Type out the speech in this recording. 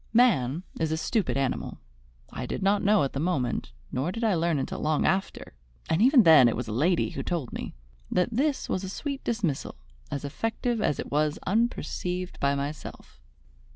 Man is a stupid animal. I did not know at the moment, nor did I learn until long after, and even then it was a lady who told me, that this was a sweet dismissal, as effective as it was unperceived by myself.